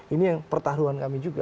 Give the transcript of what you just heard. ini yang pertaruhan kami juga